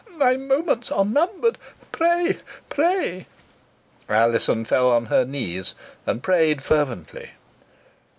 My moments are numbered. Pray pray!" Alizon fell on her knees, and prayed fervently.